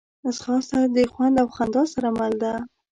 ځغاسته د خوند او خندا سره مل ده